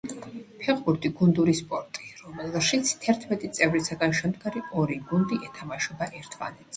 ფეხბურთი გუნდური სპორტი, რომელშიც თერთმეტი წევრისგან შემდგარი ორი გუნდი ეთამაშება ერთმანეთს